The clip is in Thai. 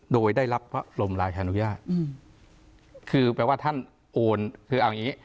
โดยได้รับพระบรมราชานุญาตคือแปลว่าท่านโอนคือเอาอย่างงี้